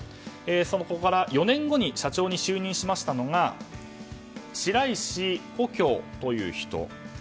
そこから４年後に社長に就任したのが白石古京という人。